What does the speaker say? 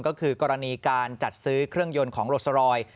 ก็คือกรณีการจัดซื้อเครื่องยนต์ของโรสรอยด